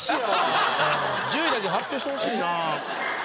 １０位だけ発表してほしいな。